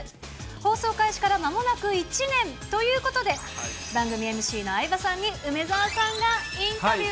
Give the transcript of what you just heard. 放送開始からまもなく１年ということで、番組ＭＣの相葉さんに、梅澤さんがインタビュー。